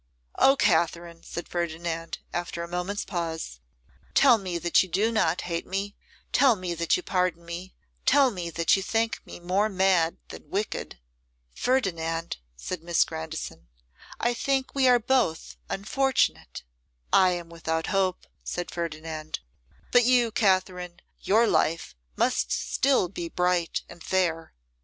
'O Katherine!' said Ferdinand, after a moment's pause, 'tell me that you do not hate me; tell me that you pardon me; tell me that you think me more mad than wicked!' 'Ferdinand,' said Miss Grandison, 'I think we are both unfortunate.' 'I am without hope,' said Ferdinand; 'but you, Katherine, your life must still be bright and fair.